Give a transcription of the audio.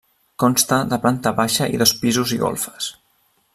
Consta de planta baixa i dos pisos i golfes.